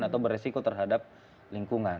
atau beresiko terhadap lingkungan